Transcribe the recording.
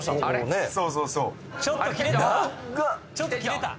ねえそうそうそう長っちょっと切れた？